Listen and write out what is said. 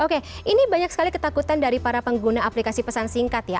oke ini banyak sekali ketakutan dari para pengguna aplikasi pesan singkat ya